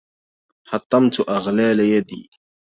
حطمت أغلال يدي